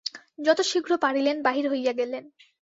যত শীঘ্র পারিলেন বাহির হইয়া গেলেন।